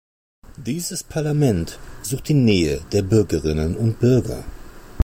Dieses Parlament sucht die Nähe der Bürgerinnen und Bürger.